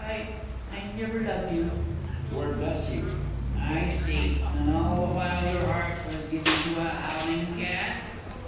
I I never loved you. Lord B. I see, and all the while your heart was given to a howling cad?